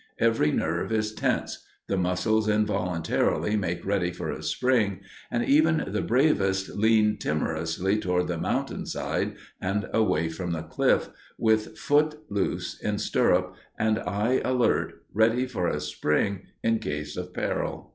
Every nerve is tense; the muscles involuntarily make ready for a spring, and even the bravest lean timorously toward the mountain side and away from the cliff, with foot loose in stirrup and eye alert, ready for a spring in case of peril.